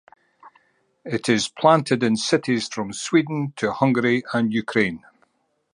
It is planted in cities from Sweden to Hungary and Ukraine.